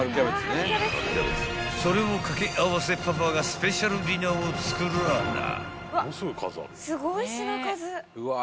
［それを掛け合わせパパがスペシャルディナーを作らぁな］